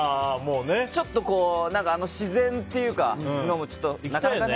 ちょっと自然っていうかなかなかね。